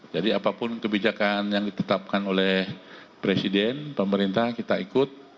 jadi apapun kebijakan yang ditetapkan oleh presiden pemerintah kita ikut